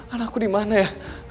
anakku dimana ya